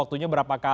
aku bisa berbicara